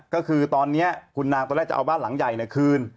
ก็คือตอนนี้คุณนางตอนแรกจะเอาบ้านหลังใหญ่คืน